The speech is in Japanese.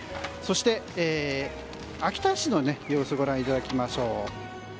そして秋田市の様子ご覧いただきましょう。